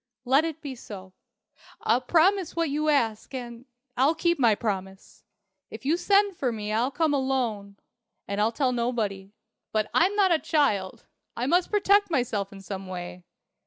"Let it be so. I'll promise what you ask, and I'll keep my promise. If you send for me, I'll come alone. And I'll tell nobody. But I'm not a child. I must protect myself in some way.